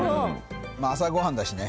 朝ごはんだしね。